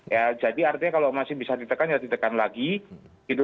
ya jadi artinya kalau masih bisa ditekan ya ditekan lagi gitu